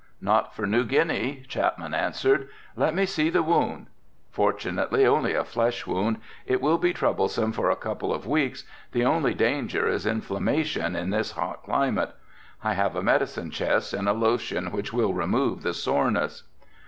"Not for New Guinea," Chapman answered. "Let me see the wound? Fortunately only a flesh wound, it will be troublesome for a couple of weeks, the only danger is inflammation in this hot climate. I have a medicine chest and a lotion which will remove the soreness."